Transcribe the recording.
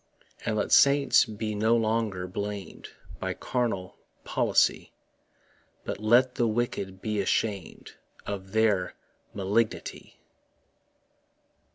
And let saints be no longer blam'd By carnal policy, But let the wicked be asham'd Of their malignity.